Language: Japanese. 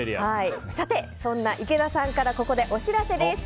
そんな池田さんからここでお知らせです。